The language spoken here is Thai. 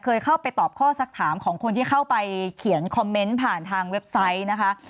เคยเข้าไปตอบข้อสักถามของคนที่เข้าไปเขียนคอมเมนต์ผ่านทางเว็บไซต์นะคะ